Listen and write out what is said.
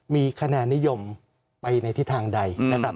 มีคะแนนิยมไปในที่ทางใด